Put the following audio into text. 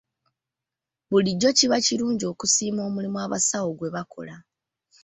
Bulijjo kiba kirungi okusiima omulimu abasawo gwe bakola.